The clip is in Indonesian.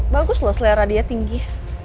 bagus loh selera dia tinggi